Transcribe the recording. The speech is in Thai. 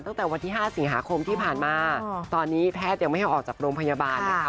ตั้งแต่วันที่๕สิงหาคมที่ผ่านมาตอนนี้แพทย์ยังไม่ให้ออกจากโรงพยาบาลนะคะ